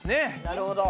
なるほど。